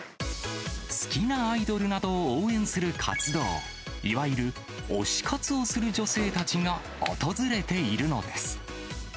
好きなアイドルなどを応援する活動、いわゆる推し活をする女性たちが訪れているのです。